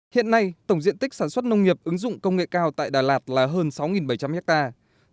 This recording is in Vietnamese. hiện nay tổng diện tích sản xuất nông nghiệp ứng dụng công nghệ cao tại đà lạt là hơn sáu bảy trăm linh hectare